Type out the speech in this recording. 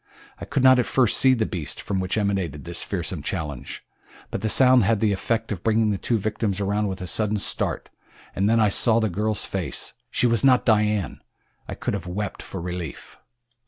I could not at first see the beast from which emanated this fearsome challenge, but the sound had the effect of bringing the two victims around with a sudden start, and then I saw the girl's face she was not Dian! I could have wept for relief.